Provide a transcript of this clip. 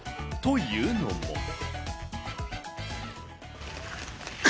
というのも。